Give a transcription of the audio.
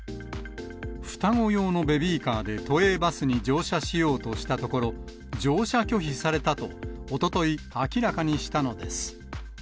双子用のベビーカーで都営バスに乗車しようとしたところ、乗車拒否されたと、おととい、明らかにしたのです。